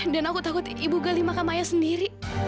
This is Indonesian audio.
dan aku takut ibu gali makam ayah sendiri